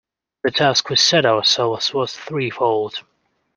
The task we set ourselves was threefold.